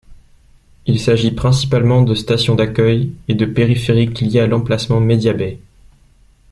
Il s'agit principalement de stations d'accueil, et de périphériques liés à l'emplacement Media-Bay.